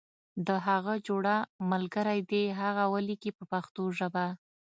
د هغه جوړه ملګری دې هغه ولیکي په پښتو ژبه.